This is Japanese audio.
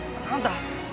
何だ？